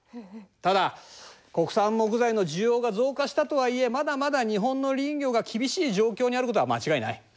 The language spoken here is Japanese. ただ国産木材の需要が増加したとはいえまだまだ日本の林業が厳しい状況にあることは間違いない。